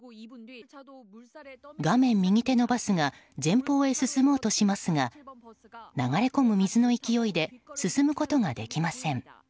画面右手のバスが前方に進もうとしますが流れ込む水の勢いで進むことができません。